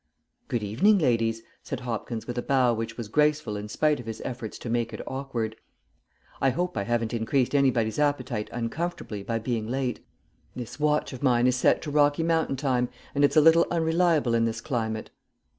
"Good evening, ladies," said Hopkins with a bow which was graceful in spite of his efforts to make it awkward. "I hope I haven't increased anybody's appetite uncomfortably by being late. This watch of mine is set to Rocky Mountain time, and it's a little unreliable in this climate."